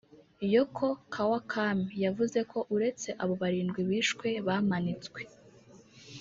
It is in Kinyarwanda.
Yoko Kawakami yavuze ko uretse abo barindwi bishwe bamanitswe